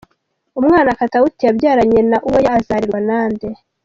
Umwana Katauti yabyaranye na Uwoya azarerwa na nde?.